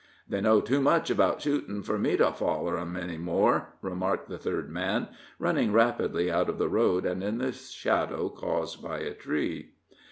"They know too much about shootin' for me to foller 'em any more," remarked the third man, running rapidly out of the road and in the shadow caused by a tree.